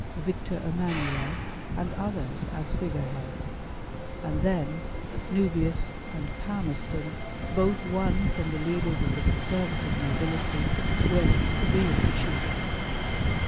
Victor Emmanuel and others as figure heads ; and then, Nubius and Palmerston both won from the leaders of the Conservative nobility, were its real chiefs.